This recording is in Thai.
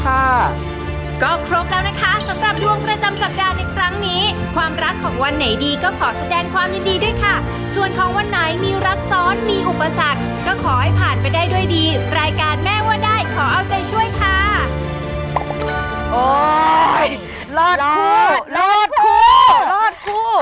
การแม่ว่าได้ขอเอาใจช่วยค่ะโอ้ยรอดคู่รอดคู่รอดคู่